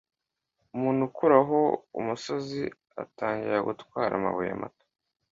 umuntu ukuraho umusozi atangira gutwara amabuye mato